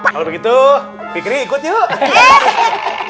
kalau begitu fikri ikut yuk